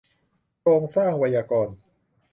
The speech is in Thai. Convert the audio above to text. โครงสร้างไวยากรณ์